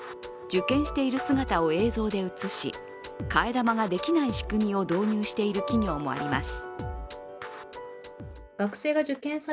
受検している姿を映像で映し替え玉ができない仕組みを導入している企業もあります。